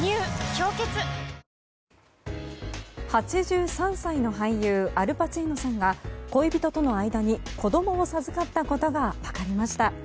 「氷結」８３歳の俳優アル・パチーノさんが恋人との間に子供を授かったことが分かりました。